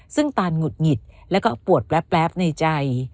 ซึ่งตานหงุดหงิดแล้วก็ปวดแป๊บในใจ